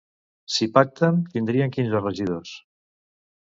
Si pacten, tindrien quinze regidors.